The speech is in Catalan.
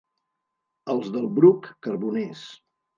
Els del Bruc, carboners.